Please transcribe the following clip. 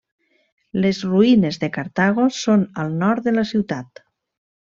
Les ruïnes de Cartago són al nord de la ciutat.